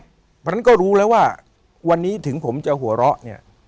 เพราะฉะนั้นก็รู้แล้วว่าวันนี้ถึงผมจะหัวเราะเนี่ย